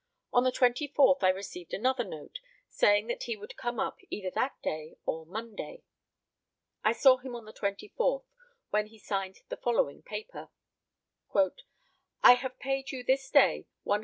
On the 24th I received another note, saying that he would come up either that day or Monday. I saw him on the 24th, when he signed the following paper: "I have paid you this day £100.